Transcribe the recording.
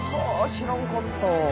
知らんかった。